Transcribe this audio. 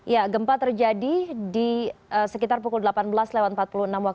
ya gempa terjadi di sekitar pukul delapan belas lewat empat puluh enam waktu